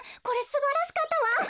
これすばらしかったわ！